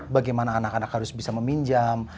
bagaimana anak anak harus bisa meminjam